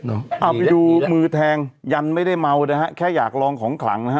เอาไปดูมือแทงยันไม่ได้เมานะฮะแค่อยากลองของขลังนะฮะ